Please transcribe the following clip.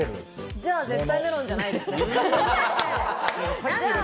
じゃあ絶対メロンじゃないですね。